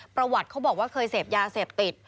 ประวัติเขาบอกว่าเคยเสพยาเสพติด